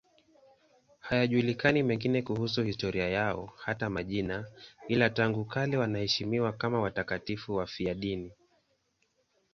Hayajulikani mengine kuhusu historia yao, hata majina, ila tangu kale wanaheshimiwa kama watakatifu wafiadini.